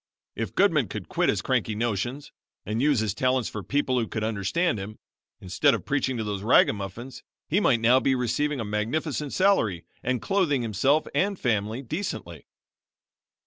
If Goodman would quit his cranky notions and use his talents for people who could understand him, instead of preaching to those ragamuffins he might now be receiving a magnificent salary and clothing himself and family decently."